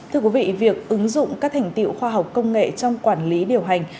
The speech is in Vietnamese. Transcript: thưa quý vị việc ứng dụng các thành tiệu khoa học công nghệ trong quản lý điều hành